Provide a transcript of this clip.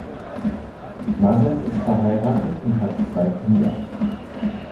Mazet ist verheiratet und hat zwei Kinder.